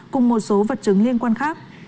cùng một số vật chứng liên quan khác